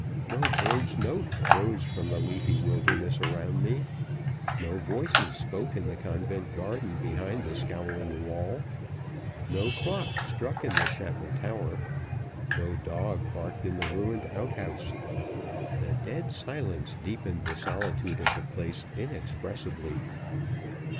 No bird's note rose from the leafy wilderness around me; no voices spoke in the convent garden behind the scowling wall; no clock struck in the chapel tower; no dog barked in the ruined outhouse. The dead silence deepened the solitude of the place inexpressibly.